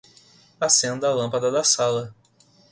Acenda a lâmpada da sala